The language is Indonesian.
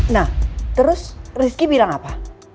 nah terus rizky bilang apa